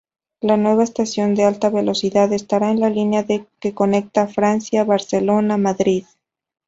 La nueva estación de Alta Velocidad estará en la línea que conecta Francia-Barcelona-Madrid.